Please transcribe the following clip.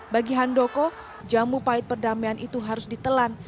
bagi handoko jamu pahit perdamaian itu harus ditelan